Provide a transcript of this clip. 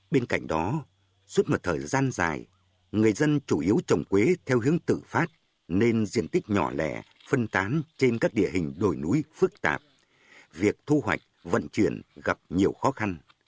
bên cạnh đó suốt một thời gian dài người dân chủ yếu trồng quế theo hướng tự phát nên diện tích nhỏ lẻ phân tán trên các địa hình đồi núi phức tạp việc thu hoạch vận chuyển gặp nhiều khó khăn